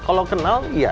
kalau kenal iya